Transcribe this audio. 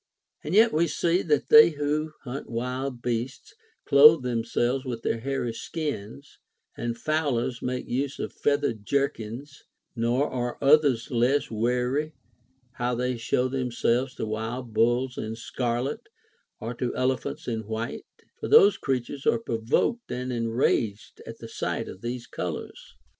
And yet we see that they who hunt wild beasts clothe themselves with their hairy skins ; and fowlers make use of feathered jerkins ; nor are others less Avary how they show themselves to Avild bulls in scarlet or to elephants in Avhite ; for those creatures are provoked and enraged at the sight of these colors.